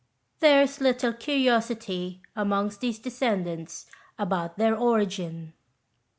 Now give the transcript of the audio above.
There is little curiosity amongst these descendants about their origin.